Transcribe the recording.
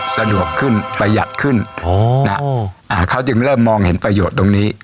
สะดวกขึ้นประหยัดขึ้นเขาจึงเริ่มมองเห็นประโยชน์ตรงนี้